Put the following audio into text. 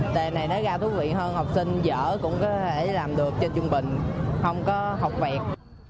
đề này nó ra thú vị hơn học sinh dở cũng có thể làm được trên trung bình không có học vẹt